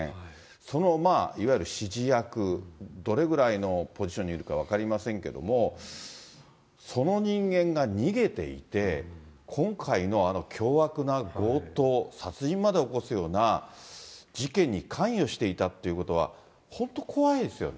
そのいわゆる指示役、どれぐらいのポジションにいるか分かりませんけれども、その人間が逃げていて、今回のあの凶悪な強盗、殺人まで起こすような、事件に関与していたということは、本当、怖いですよね。